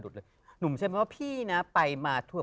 พี่ยังไม่ได้เลิกแต่พี่ยังไม่ได้เลิก